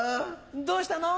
どうしたの？